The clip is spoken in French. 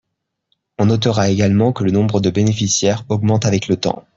On notera également que le nombre de bénéficiaires augmente avec le temps.